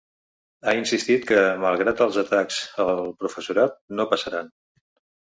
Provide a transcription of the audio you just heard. Ha insistit que, malgrat els ‘atacs’ al professorat, ‘no passaran’.